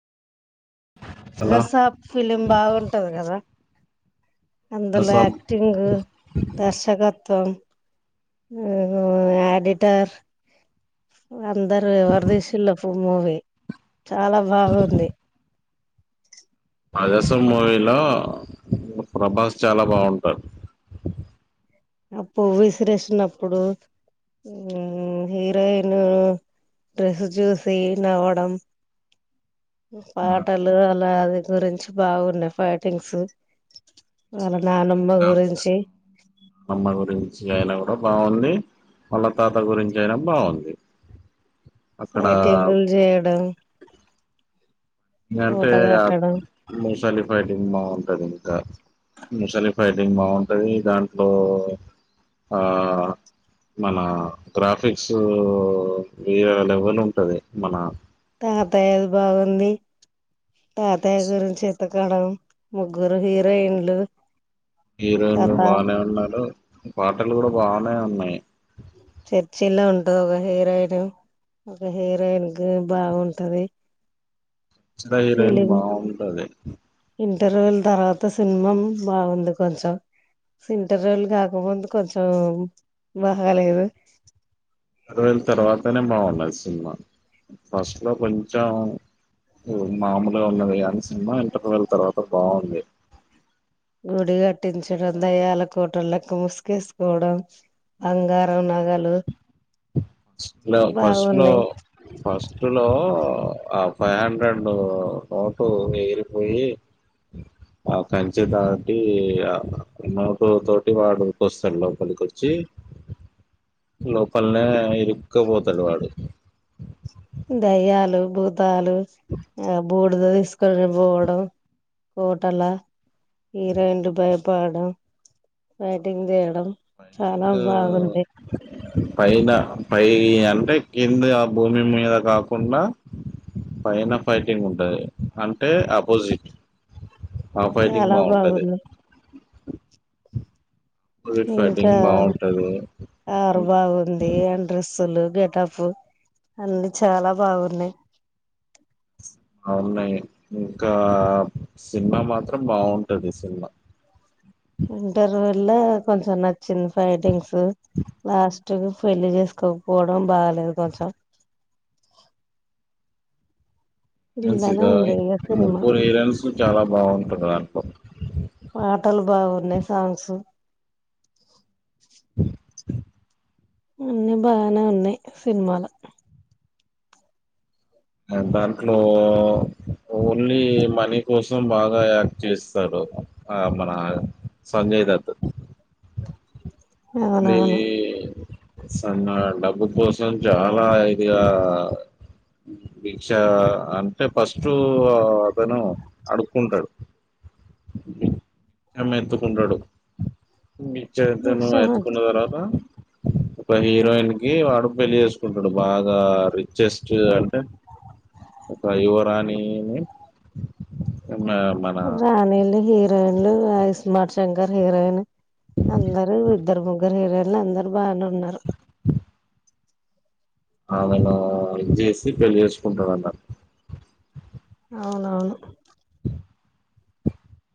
Hello ప్రగసాప్ film బాగుంటది కదా అందులో రసం ఆక్టింగ్ దర్శకత్వ మొత్తం ఆ యాడిటర్ అందరు ఎవరు దిసిల్లో మూవీ చాలా బాగుంది. మా దేశం మూవీలో ప్రభాస్ చాలా బాగుంటారు. అ ప విసిరేషనప్పుడు హీరోయిన్ డ్రెస్సు చూసి నవ్వడం పాటలు అలా అది గురించి బాగున్నాయి ఫైటింగ్స్ అలా నానమ్మ గురించి అమ్మ గురించి అయినా బాగుంది మళ్ళ తాత గురించి అయినా బాగుంది అక్కడ ఐటింగులు చేయడం ఏ కోట అంటే కట్టడం ముసలి ఫైటింగ్ బాగుంటుంది ఇంకా ముసలి ఫైటింగ్ బాగుంటుంది దాంట్లో మన గ్రాఫిక్స్ వ అవైలబుల్ ఉంటుంది మన తాగ తయారు బాగుంది తతయ గు చె అట్టకాడ ముగ్గురు హీరోయిన్లు హీరోయిన్లు కథ బానే ఉన్నారు పాటలు కూడా బానే ఉన్నాయి తెర్చిలో ఉంటాంది ఒక హీరోయిన్ ఒక హీరోయిన్ క బాగుంటది చిలా హీరోయిన్ బాగుంటది ఇంటర్వూల్ తర్వాత సినిమం బాగుంది కొంచెం ఇంటర్వూల్ కాకపోతే కొంచెం బాహాలేదు. అరవైైన్ తర్వా తనే బాగున్నది సినిమా ఫస్ట్లో కొంచెం మామూలుగా ఉన్నది కానీ సినిమా ఇంటర్వెల్ తర్వాత బాగుంది. గుడి కట్టించడం, దయ్యాల కోటలకి ముసుకేసుకోవడం, బంగారం నగలు. లిస్ట్ లో ఫస్ట్లో బాగున్నాయి ఫస్ట్ లో ఫైవ్ హండ్రెడ్ నోటు ఎగిరిపోయి ఆ కంచిె దాటి నోటు తోటి వాడుకొస్తాడు లోపలికి వచ్చి లోపల్నే ఇరు ఉక్క పోతగాడు దయ్యాలు బుద్ తాలు ఆ బూడుద తీసుకొని పోవడం కోటలా హీరోయిన్లు భయపడడం బైటింగ్ తీయడం డం చాలా ఫైటింగ్ బావుంది. పైన పై అంటే కింది ఆ భూమి మీద కాకుండా పైన ఫైటింగ్ ఉంటది అంటే అపోజిట్ చాల బాగుంది అపోజిట్ ఇంక ఫైటింగ్ బాగుంటది. ఆడ్ బాగుంది అంట్రెస్ స్సులు గెటఫ్ అన్నిీ చాలా బాగున్నాయి అ వున్నాయి ఇంకా సినిమా మాత్రం బాగుంటది సినిమా ఇంటర్వల్లో కొంచెం నచ్చింది ఫైటింగ్స్ ఉమ్ లాస్ట్ స్టుగా పెళ్లి చేసుకోకపోవడం బాలేద్ కొంచెం మున్సిత ఇలానే ఉంది ఇక సినిమా ముగ్గురి సీరియల్స్ చాలా బాగుంది ఉంటుదా ఆర్వ పాటలు బాగున్నాయి సాంగ్స్ అన్నీ బానే ఉన్నాయి సినిమాలు అ దాంట్లో ఓన్లీ మనీ కోసం బాగా యాక్ట్ చేస్తుంది స్తడు ఆ మన సంజయ్ దత్త మీ అవునవును సన్న డబ్బు కోసం చాలా ఇదిగా దిక్ష అంటే ఫస్ట్ అతను అడుక్కుంటడు అమ్మె ఎత్తుకుంటాడు ని చేద్దను తర్వాత ఒక హీరోయిన్ కి వాడు పెళ్లి చేసుకుంటడు బాగా రిచ్చెస్ చ్చె అంటే ఒక యువరాణిని మన ఉండాయిగా ఇస్మాార్ శంకర్ హీరోయిన్ అందరు ఇద్దరు ముగ్గురు హీరోయిన్లు అందరు బానే ఉన్నారు అవును ఇది చేసి పెళ్ళి చేసుకుంటదంట అవునవును